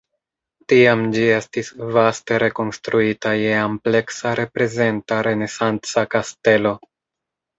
Tiam ĝi estis vaste rekonstruita je ampleksa reprezenta renesanca kastelo.